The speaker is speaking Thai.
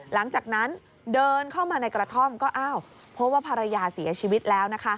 หลังจากนั้นเดินเข้ามาในกระท่อมก็อ้าวพบว่าภรรยาเสียชีวิตแล้วนะคะ